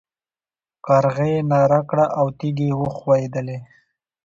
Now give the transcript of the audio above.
کارغې ناره کړه او تيږې وښوېدلې.